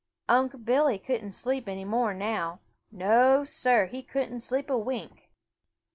Unc' Billy couldn't sleep any more now. No, Sir, he couldn't sleep a wink.